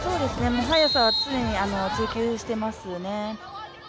速さは追求していますね。